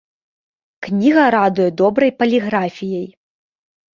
Кніга радуе добрай паліграфіяй.